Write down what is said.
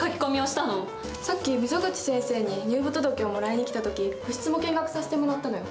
さっき溝口先生に入部届をもらいに来た時部室も見学させてもらったのよ。